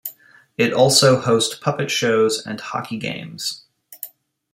It also host puppet shows and hockey games.